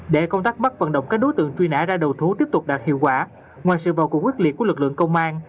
để công tác bắt vận động các đối tượng truy nã ra đầu thú tiếp tục đạt hiệu quả ngoài sự vào cuộc quyết liệt của lực lượng công an